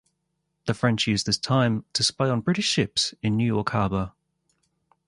The French used this time to spy on British ships in New York harbor.